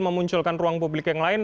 memunculkan ruang publik yang lain